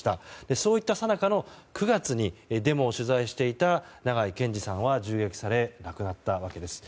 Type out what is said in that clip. そういったさなかの９月にデモを取材していた長井健司さんは銃撃され亡くなったわけです。